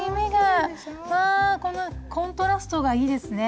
このコントラストがいいですね。